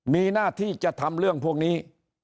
มีหน้าที่จะทำเรื่องพวกนี้